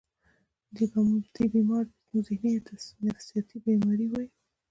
دې بيمارو ته مونږ ذهني يا نفسياتي بيمارۍ وايو